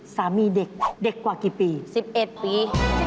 สามีเด็กเด็กกว่ากี่ปี๑๑ปี